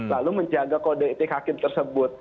lalu menjaga kode etik hakim tersebut